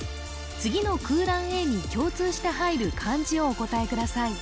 次の空欄Ａに共通して入る漢字をお答えください